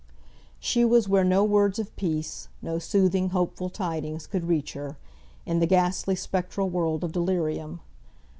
She was where no words of peace, no soothing hopeful tidings could reach her; in the ghastly spectral world of delirium.